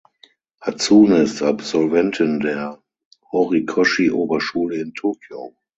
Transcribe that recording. Hatsune ist Absolventin der "Horikoshi Oberschule" in Tokio.